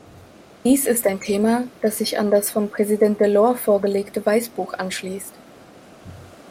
Dies ist ein Thema, das sich an das von Präsident Delors vorgelegte Weißbuch anschließt.